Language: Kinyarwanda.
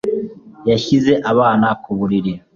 Yashyize abana ku buriri